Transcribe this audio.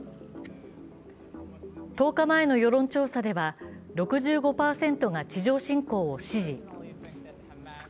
１０日の世論調査では６５％が地上侵攻を支持。